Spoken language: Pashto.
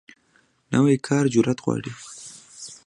نوی کار جرئت غواړي